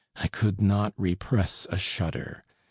I could not repress a shudder.